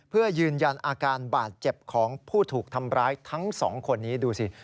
เพื่อยืนยันอาการบาดเจ็บของผู้ถูกทำร้ายทั้งสองคนนี้ดูสิ